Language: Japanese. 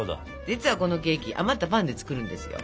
実はこのケーキ余ったパンで作るんですよ。